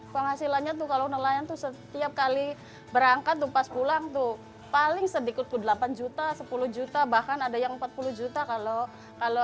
penghasilannya kalau nelayan itu setiap kali berangkat pas pulang paling sedikit delapan juta sepuluh juta bahkan ada yang empat puluh juta kalau dia ke papua